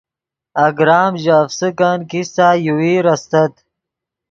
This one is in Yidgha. اگرام ژے افسکن کیستہ یوویر استت